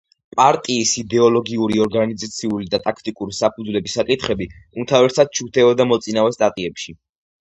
პარტიის იდეოლოგიური, ორგანიზაციული და ტაქტიკური საფუძვლების საკითხები უმთავრესად შუქდებოდა მოწინავე სტატიებში.